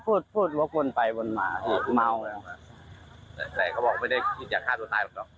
เขาพูดว่ากุลไปบนหมาอ๋อม้าได้ก็บอกว่าไม่ได้จิตอยากฆ่าตัวตายหรอก